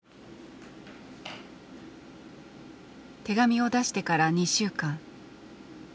手紙を出してから２週間。